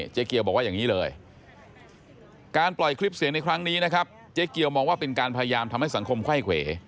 เจ๊เกียวบอกว่าอย่างนี้เลยการปล่อยคลิปเสียงในครั้งนี้นะครับเจ๊เกียวมองว่าเป็นการพยายามทำให้สังคมไข้เขว